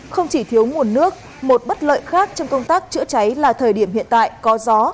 không chỉ thiếu nguồn nước một bất lợi khác trong công tác chữa cháy là thời điểm hiện tại có gió